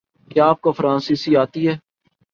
کیا اپ کو فرانسیسی آتی ہے؟